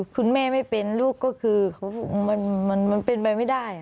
คุณแม่ไม่เป็นลูกก็คือมันเป็นไปไม่ได้